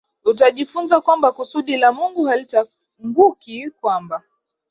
Utajifunza kwamba kusudi la Mungu halitanguki kwamba